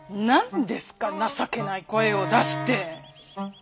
何ですか情けない声を出して。